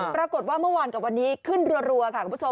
ปรากฏว่าเมื่อวานกับวันนี้ขึ้นรัวค่ะคุณผู้ชม